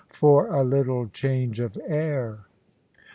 FOR A LITTLE CHANGE OF AIR.